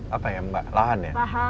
apa ya mbak lahan ya